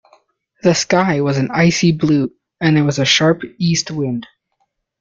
The sky was an icy blue, and there was a sharp East wind